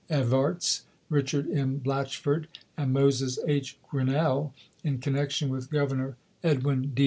Evarts, Richard M. BlatcMord, and Moses H. Grinnell, in connection with Grovernor Edwin D.